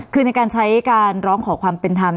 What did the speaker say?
คือในการใช้การร้องขอความเป็นธรรม